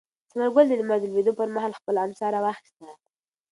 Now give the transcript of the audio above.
ثمر ګل د لمر د لوېدو پر مهال خپله امسا راواخیسته.